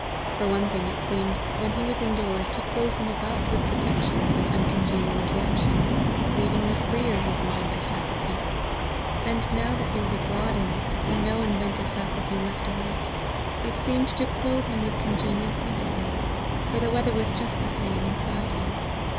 For one thing, it seemed, when he was indoors, to close him about with protection from uncongenial interruption, leaving the freer his inventive faculty; and now that he was abroad in it, and no inventive faculty left awake, it seemed to clothe him with congenial sympathy, for the weather was just the same inside him.